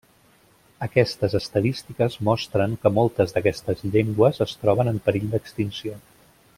Aquestes estadístiques mostren que moltes d'aquestes llengües es troben en perill d'extinció.